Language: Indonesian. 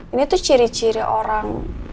ini tuh ciri ciri orang